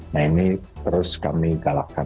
nah ini terus kami galakkan